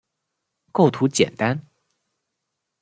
构图简单